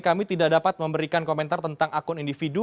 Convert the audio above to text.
kami tidak dapat memberikan komentar tentang akun individu